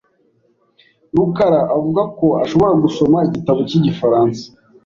rukara avuga ko ashobora gusoma igitabo cy'igifaransa .